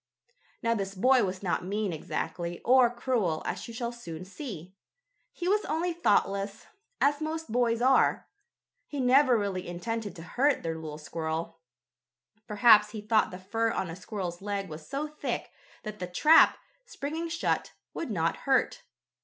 Now this boy was not mean exactly, or cruel, as you shall soon see. He was only thoughtless, as most boys are. He never really intended to hurt the little squirrel. Perhaps he thought the fur on a squirrel's leg was so thick that the trap, springing shut, would not hurt.